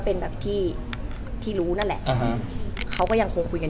เหมือนนางก็เริ่มรู้แล้วเหมือนนางก็เริ่มรู้แล้ว